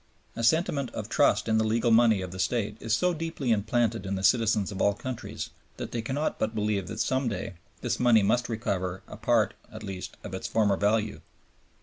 A sentiment of trust in the legal money of the State is so deeply implanted in the citizens of all countries that they cannot but believe that some day this money must recover a part at least of its former value.